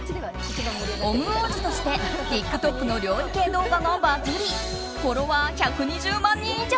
オム王子としてＴｉｋＴｏｋの料理系動画がバズりフォロワー１２０万人以上。